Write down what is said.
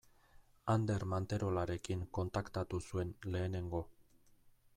Ander Manterolarekin kontaktatu zuen lehenengo.